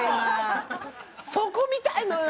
そこ見たいのよ。